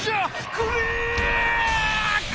クリック！